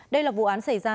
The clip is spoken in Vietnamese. đây là vụ án xảy ra